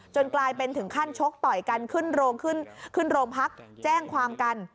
กลายเป็นถึงขั้นชกต่อยกันขึ้นโรงขึ้นโรงพักแจ้งความกัน